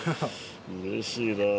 うれしいなぁ。